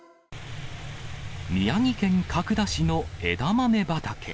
宮城県角田市の枝豆畑。